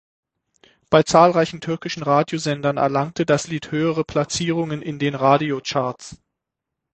Bei zahlreichen türkischen Radiosendern erlangte das Lied höhere Platzierungen in den Radiocharts.